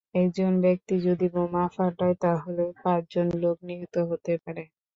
একজন ব্যক্তি যদি বোমা ফাটায়, তাহলে পাঁচজন লোক নিহত হতে পারে।